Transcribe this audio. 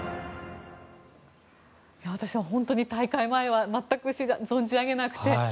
私は本当に大会前は全く存じ上げなくて。